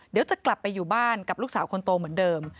เดี๋ยวจะกลับไปอยู่บ้านกับลูกสาวคนโตเหมือนเดิม